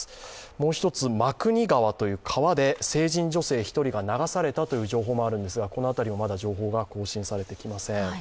もう１つ、真国川という川で成人女性１人が流されたという情報もあるんですが、この辺りはまだ情報が更新されてきません。